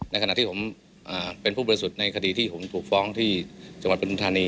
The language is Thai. ในขณะที่ผมเป็นผู้บริสุทธิ์ในคดีที่ผมถูกฟ้องที่จังหวัดปทุมธานี